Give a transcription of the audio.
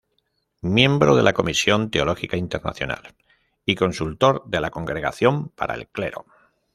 Miembro de la Comisión Teológica internacional y consultor de la Congregación para el Clero.